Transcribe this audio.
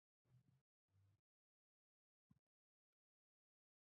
باغ او ځمکه نه لري.